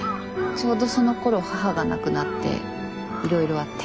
ちょうどそのころ母が亡くなっていろいろあって。